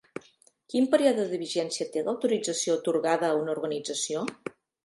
Quin període de vigència té l'autorització atorgada a una organització?